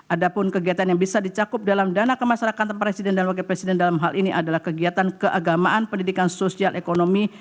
ada pun kegiatan yang bisa dicakup dalam dana kemasyarakatan presiden dan wakil presiden dalam hal ini adalah kegiatan keagamaan pendidikan sosial ekonomi